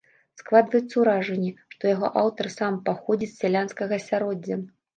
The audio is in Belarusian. Складваецца ўражанне, што яго аўтар сам паходзіць з сялянскага асяроддзя.